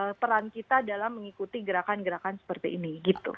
ada peran kita dalam mengikuti gerakan gerakan seperti ini gitu